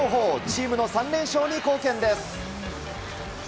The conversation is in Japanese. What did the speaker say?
チームの３連勝に貢献です。